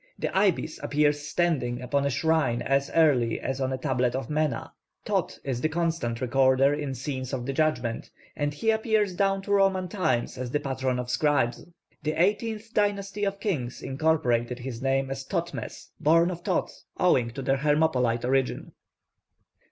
The ibis appears standing upon a shrine as early as on a tablet of Mena; Thōth is the constant recorder in scenes of the judgment, and he appears down to Roman times as the patron of scribes. The eighteenth dynasty of kings incorporated his name as Thōthmes, 'born of Thōth,' owing to their Hermopolite origin.